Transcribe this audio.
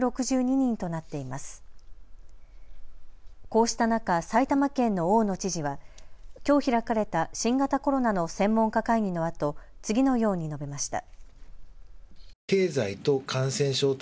こうした中、埼玉県の大野知事はきょう開かれた新型コロナの専門家会議のあと、次のように述べました。